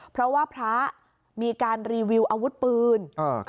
เพราะว่าพระมีการรีวิวอาวุธปืน